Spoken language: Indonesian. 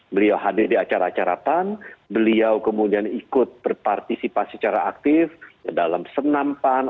beliau hadir di acara acara pan beliau kemudian ikut berpartisipasi secara aktif dalam senam pan